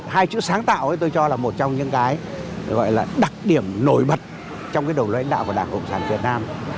hai chữ sáng tạo tôi cho là một trong những cái gọi là đặc điểm nổi bật trong cái đầu lãnh đạo của đảng cộng sản việt nam